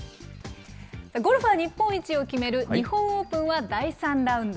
ゴルフは日本一を決める日本オープンは第３ラウンド。